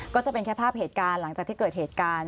ก็จะเป็นแค่ภาพเหตุการณ์หลังจากที่เกิดเหตุการณ์